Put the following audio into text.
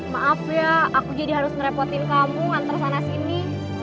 maaf ya aku jadi harus merepotin kamu ngantar sana sini